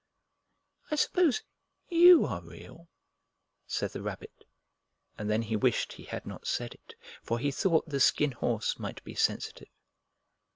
"I suppose you are real?" said the Rabbit. And then he wished he had not said it, for he thought the Skin Horse might be sensitive.